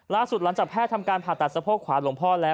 หลังจากแพทย์ทำการผ่าตัดสะโพกขวาหลวงพ่อแล้ว